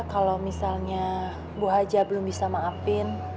iya kalau misalnya bu aja belum bisa maafin